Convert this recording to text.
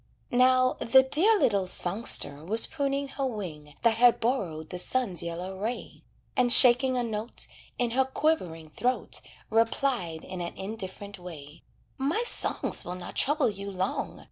Now, the dear little songster was pruning her wing That had borrowed the sun's yellow ray, And shaking a note In her quivering throat, Replied in an indifferent way: "My songs will not trouble you long.